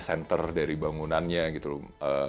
center dari bangunannya gitu loh